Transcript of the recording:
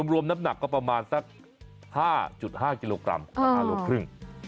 รวมน้ำหนักก็ประมาณสัก๕๕กิโลกรัมโลครึ่ง